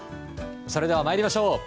それでは参りましょう。